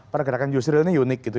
pergerakan yusril ini unik gitu